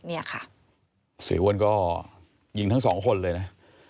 เสียอ้วนก็ยิงทั้ง๒คนเลยนะ